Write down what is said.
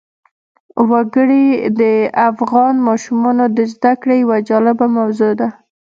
وګړي د افغان ماشومانو د زده کړې یوه جالبه موضوع ده.